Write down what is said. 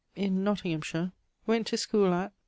in Nottinghamshire; went to schoole at